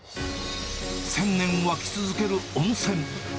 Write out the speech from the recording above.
１０００年湧き続ける温泉。